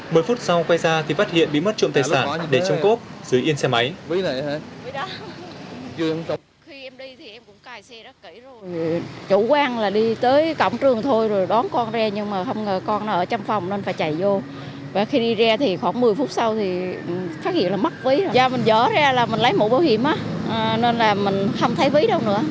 một phút sau quay ra thì phát hiện bị mất trộm tài sản để chống cốp dưới yên xe máy